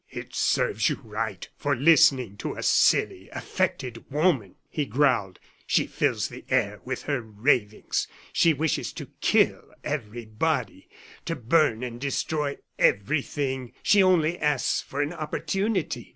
"It serves you right for listening to a silly, affected woman," he growled. "She fills the air with her ravings; she wishes to kill everybody, to burn and destroy everything. She only asks for an opportunity.